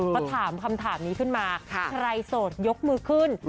พอถามคำถามนี้ขึ้นมาใครโสดยกมือขึ้น